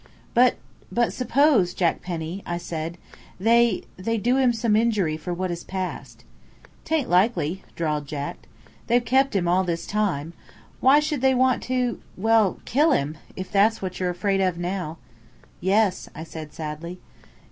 "But but suppose, Jack Penny," I said, "they they do him some injury for what has passed." "'Tain't likely," drawled Jack. "They've kept him all this time, why should they want to well, kill him that's what you're afraid of now?" "Yes," I said sadly.